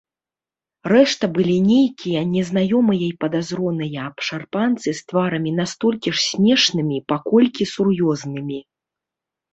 Рэшта былі нейкія незнаёмыя і падазроныя абшарпанцы з тварамі настолькі ж смешнымі, паколькі сур'ёзнымі.